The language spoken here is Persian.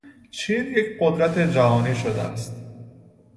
چین یک قدرت جهانی شده است.